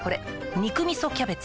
「肉みそキャベツ」